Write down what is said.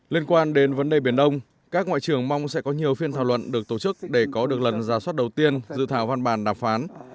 liên quan đến vấn đề biển đông các ngoại trưởng mong sẽ có nhiều phiên thảo luận được tổ chức để có được lần ra soát đầu tiên dự thảo văn bản đàm phán